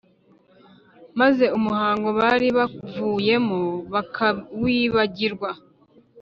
, maze umuhango bari bavuyemo bakawibagirwa